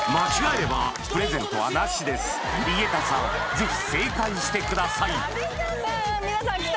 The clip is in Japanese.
ぜひ正解してください